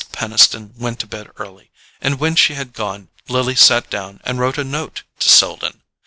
Peniston went to bed early, and when she had gone Lily sat down and wrote a note to Selden.